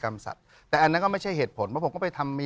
กรรมสัตว์แต่อันนั้นก็ไม่ใช่เหตุผลเพราะผมก็ไปทำมี